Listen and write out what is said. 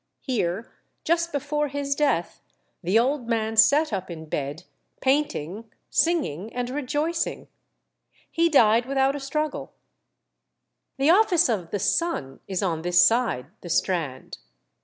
Here, just before his death, the old man sat up in bed, painting, singing, and rejoicing. He died without a struggle. The office of the Sun is on this side the Strand.